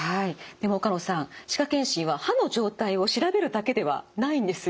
でも岡野さん歯科健診は歯の状態を調べるだけではないんですよ。